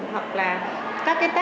hoặc là các tác nhân